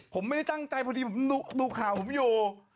ผมไม่ได้ตั้งใจพอดีผมดูข่าวผมอยู่